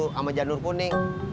sama janur kuning